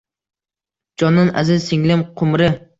«Jondan aziz singlim Qumri!